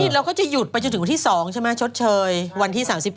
เราก็จะหยุดไปจนถึงวันที่๒ใช่ไหมชดเชยวันที่๓๑